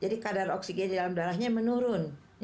jadi kadar oksigen di dalam darahnya menurun